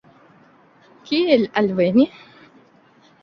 Kiel alveni?